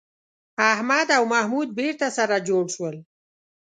احمد او محمود بېرته سره جوړ شول